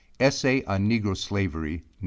Essay on Negro Slavery No.